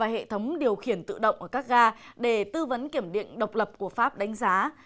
hệ thống điều khiển tự động ở các ga để tư vấn kiểm điện độc lập của pháp đánh giá